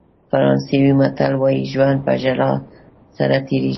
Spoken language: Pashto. فرانسوي متل وایي ژوند په ژړا سره تېرېږي.